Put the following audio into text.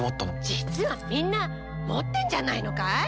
実はみんな持ってるんじゃないのかい？